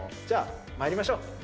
じゃあまいりましょう。